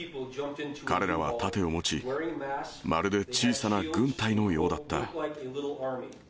彼らは盾を持ち、まるで小さな軍隊のようだった。